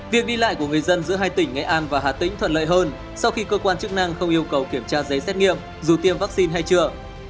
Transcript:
việc đi lại của người dân giữa hai tỉnh nghệ an và hà tĩnh thuận lợi hơn sau khi cơ quan chức năng không yêu cầu kiểm tra giấy xét nghiệm dù tiêm vaccine hay chưa